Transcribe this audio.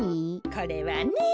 これはね。